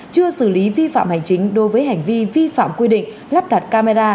chưa xử lý vi phạm hành chính đối với hành vi vi phạm quy định lắp đặt camera